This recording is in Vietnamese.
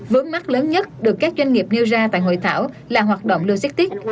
vớn mắt lớn nhất được các doanh nghiệp nêu ra tại hội thảo là hoạt động lưu xét tiết